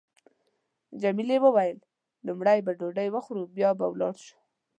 جميلې وويل: لومړی به ډوډۍ وخورو بیا به ولاړ شو.